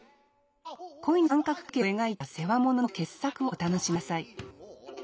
恋の三角関係を描いた世話物の傑作をお楽しみください。